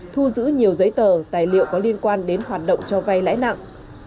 thu giữ nhiều giấy tờ tài liệu có liên quan đến hoạt động cho vay lãi nặng